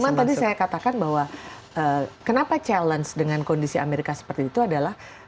cuma tadi saya katakan bahwa kenapa challenge dengan kondisi amerika seperti itu adalah